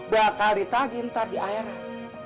bakal ditagi ntar di akhirat